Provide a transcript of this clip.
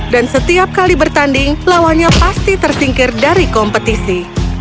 dan setiap kali bertanding lawannya pasti tersingkir dari kompetisi